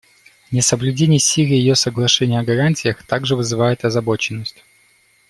Несоблюдение Сирией ее соглашения о гарантиях также вызывает озабоченность.